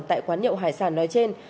tại quán nhậu hải sản nói trên